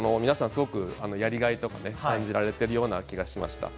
皆さんすごくやりがいとか感じられているような気がしました。